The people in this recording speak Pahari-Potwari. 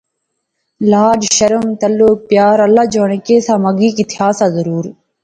لاج، شرم، تعلق، پیار، اللہ جانے کہہ سا مگی کی تھیا سا ضرور